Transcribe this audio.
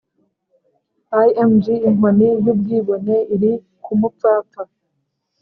Img inkoni y ubwibone iri ku mupfapfa